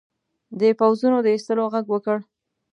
د پوځونو د ایستلو ږغ وکړ.